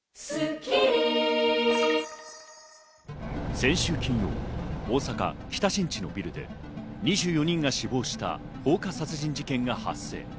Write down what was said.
先週金曜、大阪・北新地のビルで２４人が死亡した放火殺人事件が発生。